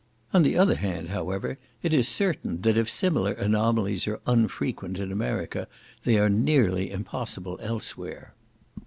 On the other hand, however, it is certain that if similar anomalies are unfrequent in America, they are nearly impossible elsewhere.